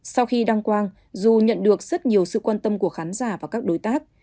sau khi đăng quang dù nhận được rất nhiều sự quan tâm của khán giả và các đối tác